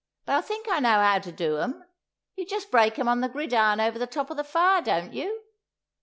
"But I think I know how to do 'em. You just break them on the gridiron over the top of the fire, don't you?"